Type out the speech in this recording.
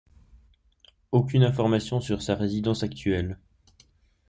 Aucune information sur sa résidence actuelle.